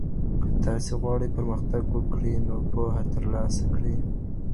که تاسي غواړئ پرمختګ وکړئ، نو پوهه ترلاسه کړئ.